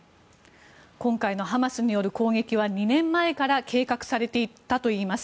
今回のハマスによる攻撃は２年前から計画されていたといいます。